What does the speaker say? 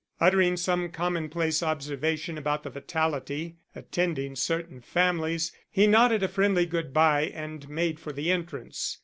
Uttering some commonplace observation about the fatality attending certain families, he nodded a friendly good by and made for the entrance.